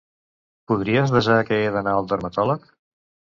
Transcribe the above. Podries desar que he d'anar al dermatòleg?